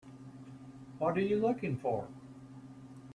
What are you looking for?